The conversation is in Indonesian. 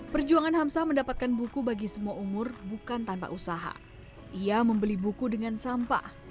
perjuangan hamsah mendapatkan buku bagi semua umur bukan tanpa usaha ia membeli buku dengan sampah